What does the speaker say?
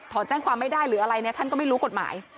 แจ้งความไม่ได้หรืออะไรเนี่ยท่านก็ไม่รู้กฎหมาย